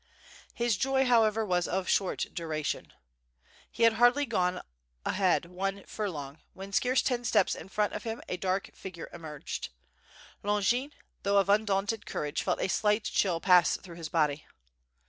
His joy, however, was of short duration. He had hardly gone ahead one furlong, when scarce ten steps in front of him, a dark figure emerged. Longin, though of undaunted courage, felt a slight chill pass through his body.